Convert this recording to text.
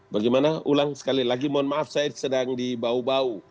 bagaimana ulang sekali lagi mohon maaf saya sedang dibau bau